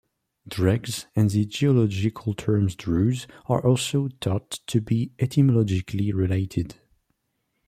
"Dregs", and the geological term "druse" are also thought to be etymologically related.